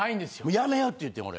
「やめよ」って言ってん俺。